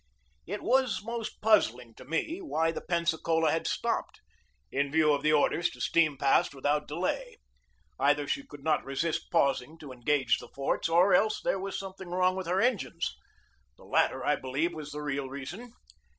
It was most puzzling to me why the Pensacola had stopped, in view of the orders to steam past without delay. Either she could not resist pausing to engage the forts, or else there was something wrong with her engines. The latter, I believe, was the real reason.